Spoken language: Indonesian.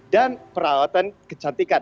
dan perawatan kecantikan